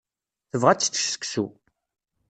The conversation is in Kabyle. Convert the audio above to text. Tebɣa ad tečč seksu.